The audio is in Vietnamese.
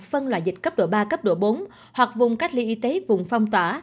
phân loại dịch cấp độ ba cấp độ bốn hoặc vùng cách ly y tế vùng phong tỏa